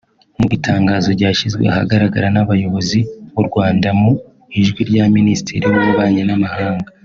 Mu itangazo ryashyizwe ahagaragara n’abayobozi b’u Rwanda mu ijwi rya Ministre w’Ububanyi n’amahanga